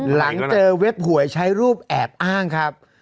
หลังเจอเว็บหวยใช้รูปแอบอ้างครับ